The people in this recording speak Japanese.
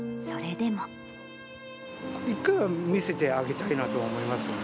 １回は見せてあげたいなと思いますよね。